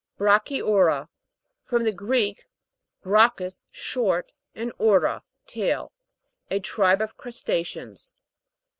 BRA'CHYU'RA (brak e.v ra). From the Greek, brachus, short, and oura, tu.il. A tribe of crusta'ceans.